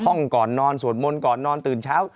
ห้องก่อนนอนสวดมนต์ก่อนนอนตื่นเช้า